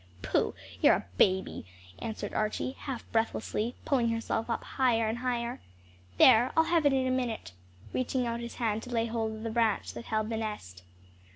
"Pooh! you're a baby!" answered Archie, half breathlessly, pulling himself up higher and yet higher. "There, I'll have it in a minute," reaching out his hand to lay hold of the branch that held the nest.